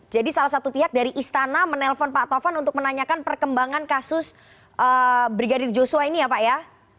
jadi salah satu pihak dari istana menelpon pak tovan untuk menanyakan perkembangan kasus brigadir joshua ini ya pak ya